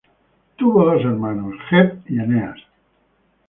Tuvo dos hermanos: Hebe y Eneas.